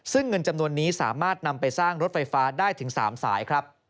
ซึ่งเงินจำนวนนี้สามารถนำไปสร้างรถไฟฟ้าได้ถึง๓สายครับ